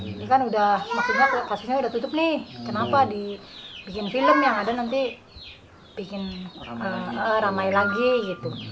ini kan udah maksudnya lokasinya udah tutup nih kenapa dibikin film yang ada nanti bikin ramai lagi gitu